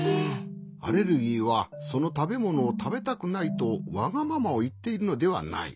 アレルギーはそのたべものをたべたくないとわがままをいっているのではない。